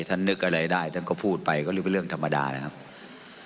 ท่านนึกอะไรได้ท่านก็พูดไปก็เรียกว่าเรื่องธรรมดานะครับ